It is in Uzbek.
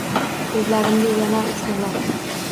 Ko’zlarimda yonar uchqunlar